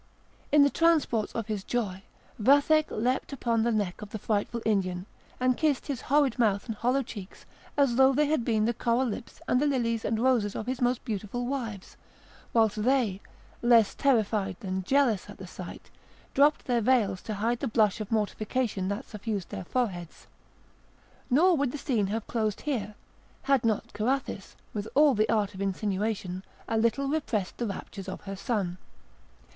In the transports of his joy Vathek leaped upon the neck of the frightful Indian, and kissed his horrid mouth and hollow cheeks as though they had been the coral lips and the lilies and roses of his most beautiful wives; whilst they, less terrified than jealous at the sight, dropped their veils to hide the blush of mortification that suffused their foreheads. Nor would the scene have closed here, had not Carathis, with all the art of insinuation, a little repressed the raptures of her son.